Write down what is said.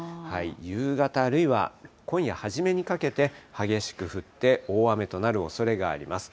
夕方、あるいは今夜初めにかけて激しく降って大雨となるおそれがあります。